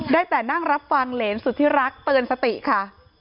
ได้แต่นั่งรับฟังเหรนสุธิรักเตือนสติค่ะ